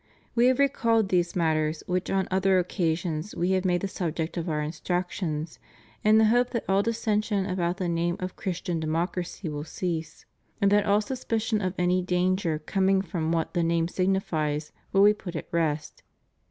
We have recalled these matters which on other oc casions We have made the subject of Our instructions, in the hope that all dissension about the name of Christian Democracy will cease and that all suspicion of any danger coming from what the name signifies will be put at rest.